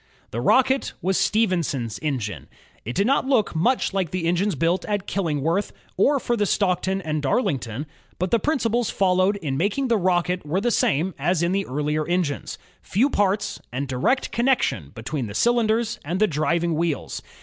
The Rocket was Stephenson's engine. It did not look much like the engines built at Killingworth or for the Stockton and Darlington, but the principles followed in making the Rocket were the same as in the earlier engines: few parts, and direct connection between the cylinders and the driving wheels.